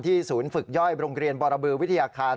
ศูนย์ฝึกย่อยโรงเรียนบรบือวิทยาคาร